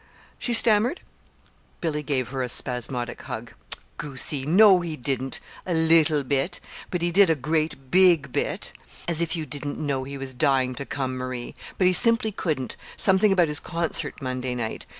she stammered. Billy gave her a spasmodic hug. "Goosey! No, he didn't a little bit; but he did a great big bit. As if you didn't know he was dying to come, Marie! But he simply couldn't something about his concert Monday night.